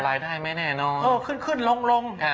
รายได้ไหมแน่นอนโอ้โหขึ้นลง